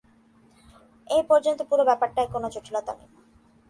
এ-পর্যন্ত পুরো ব্যাপারটায় কোনো জটিলতা নেই।